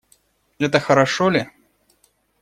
Это хорошо ли?